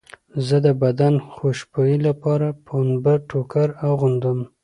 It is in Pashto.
زه د بدن خوشبویۍ لپاره پنبه ټوکر اغوندم.